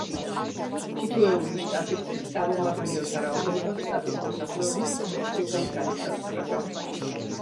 თითოეული შტატისთვის წარმომადგენელთა რაოდენობა შტატის მოსახლეობის პროპორციულად განისაზღვრება.